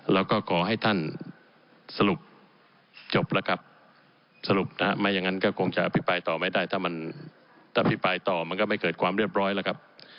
แล้วก็ขอให้ท่านสรุปจบละครับ